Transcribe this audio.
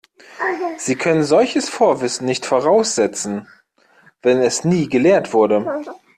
Sie können solches Vorwissen nicht voraussetzen, wenn es nie gelehrt wurde.